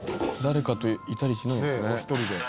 誰かといたりしないんですね。